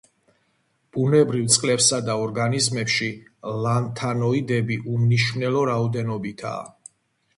ბუნებრივ წყლებსა და ორგანიზმებში ლანთანოიდები უმნიშვნელო რაოდენობითაა.